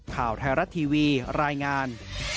ข่าวไทยรัฐทีวีรายงาน